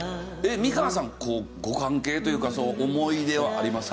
美川さんご関係というか思い出はありますか？